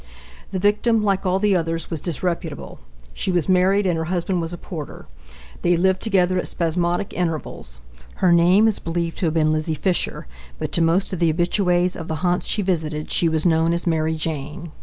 The victim, like all the others, was disreputable. She was married and her husband was a porter. They had lived together at spasmodic intervals. Her name is believed to have been Lizzie Fisher, but to most of the habitues of the haunts she visited she was known as Mary Jane.